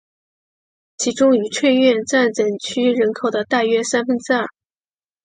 其中愉翠苑占整区人口的大约三分之二。